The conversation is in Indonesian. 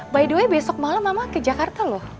by the way besok malam memang ke jakarta loh